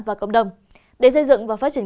và cộng đồng để xây dựng và phát triển